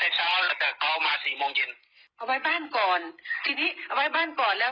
เอาไว้บ้านก่อนทีนี้เอาไว้บ้านก่อนแล้ว